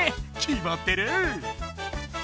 きまってる！